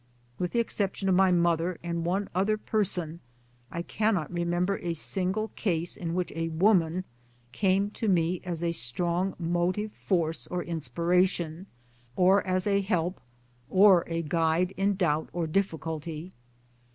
With the exception of my. mother and one other person, I cannot remember a single case in which a woman came to me as a strong motive force or inspiration, or as a help or a guide in doubt or difficulty.